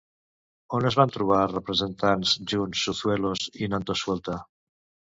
On es van trobar representats junts Sucellos i Nantosuelta?